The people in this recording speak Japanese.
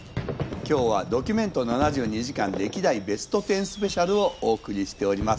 今日は「ドキュメント７２時間歴代ベスト１０スペシャル」をお送りしております。